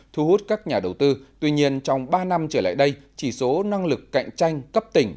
thu hút các nhà đầu tư tuy nhiên trong ba năm trở lại đây chỉ số năng lực cạnh tranh cấp tỉnh